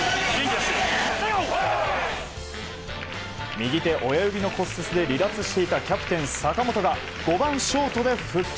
右手親指の骨折で離脱していたキャプテン坂本が５番ショートで復帰。